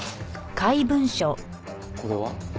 これは？